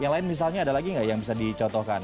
yang lain misalnya ada lagi nggak yang bisa dicontohkan